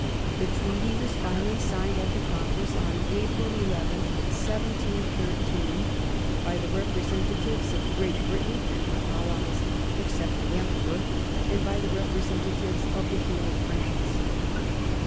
The Treaty was finally signed at the Congress on April 11, 1713, by the representatives of Great Britain and of her allies, except the Emperor, and by the representatives of the King of France.